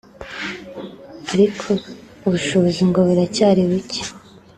ariko ubushobozi ngo buracyari buke